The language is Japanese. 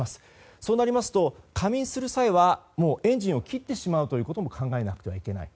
そうなると仮眠する際はエンジンを切ってしまうことも考えなくてはならない。